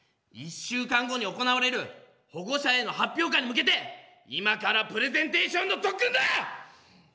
１週間後に行われる保護者への発表会に向けて今からプレゼンテーションの特訓だ！